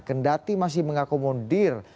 kendati masih mengakomodir